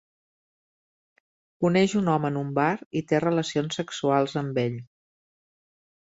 Coneix un home en un bar i té relacions sexuals amb ell.